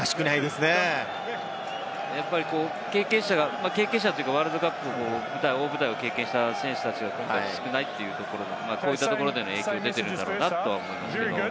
やっぱり経験者というか、ワールドカップの大舞台を経験した選手たちが少ないというところ、こういったところで影響が出ているんだろうなと思います。